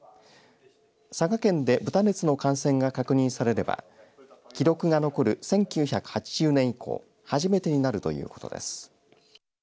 佐賀県で豚熱の感染が確認されれば記録が残る１９８０年以降初めてになるということです。